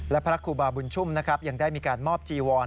และพระครูบาบุญชุ่มนะครับยังได้มีการมอบจีวร